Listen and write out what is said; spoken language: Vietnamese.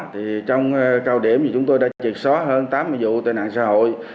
trong cao điểm thì chúng tôi đã triệt só hơn tám mươi vụ tệ nạn xã hội